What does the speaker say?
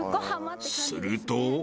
［すると］